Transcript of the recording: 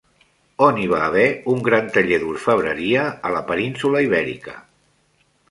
On hi va haver un gran taller d'orfebreria a la península Ibèrica?